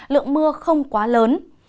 lượng mưa không quá lớn